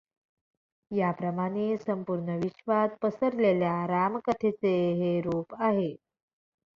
याप्रमाणे संपूर्ण विश्वात पसरलेल्या रामकथेचे हे रूप आहे.